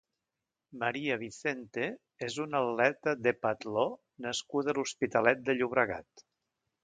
Maria Vicente és una atleta d'heptatló nascuda a l'Hospitalet de Llobregat.